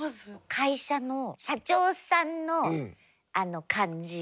会社の社長さんの感じを。